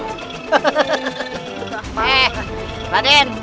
rpm satu buah